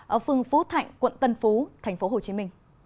ở phương phú thạnh quận tân phú tp hcm